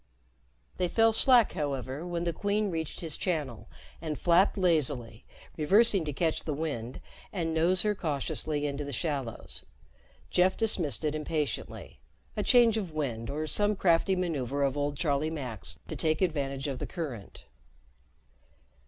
They fell slack, however, when the Queen reached his channel and flapped lazily, reversing to catch the wind and nose her cautiously into the shallows. Jeff dismissed it impatiently a change of wind or some crafty maneuver of old Charlie Mack's to take advantage of the current.